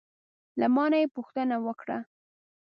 له ما نه یې پوښتنه وکړه: